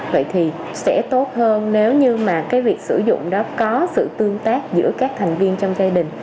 vậy thì sẽ tốt hơn nếu như mà cái việc sử dụng đó có sự tương tác giữa các thành viên trong gia đình